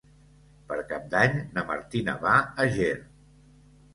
Per Cap d'Any na Martina va a Ger.